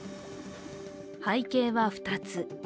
背景は２つ。